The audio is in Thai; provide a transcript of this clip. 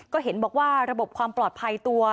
ก็เห็นบอกว่าระบบความปลอดภัยตัว